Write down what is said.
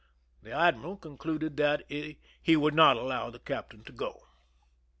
The admiral concluded that he would not allow the captain to go.